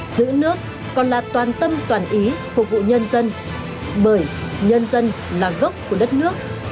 giữ nước còn là toàn tâm toàn ý phục vụ nhân dân bởi nhân dân là gốc của đất nước